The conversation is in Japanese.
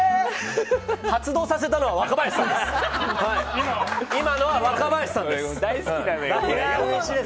発動させたのは若林さんです。